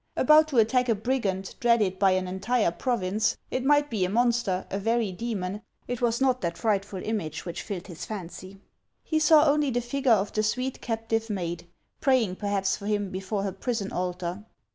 About to attack a brigand dreaded by an entire province, it might be a monster, a very demon, it was not that frightful image which filled his fancy; he saw only the figure of the sweet captive maid, praying perhaps for him before her prison altar.